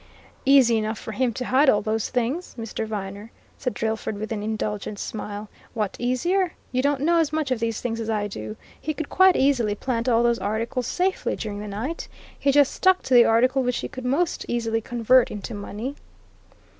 "Easy enough for him to hide all those things, Mr. Viner," said Drillford, with an indulgent smile. "What easier? You don't know as much of these things as I do he could quite easily plant all those articles safely during the night. He just stuck to the article which he could most easily convert into money."